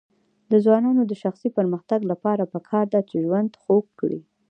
د ځوانانو د شخصي پرمختګ لپاره پکار ده چې ژوند خوږ کړي.